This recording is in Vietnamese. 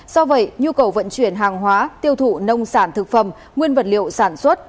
do vậy nhu cầu vận chuyển hàng hóa tiêu thụ nông sản thực phẩm nguyên vật liệu sản xuất